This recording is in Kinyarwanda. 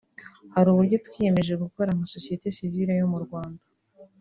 Hari uburyo twiyemeje gukora nka sosiyete sivile yo mu Rwanda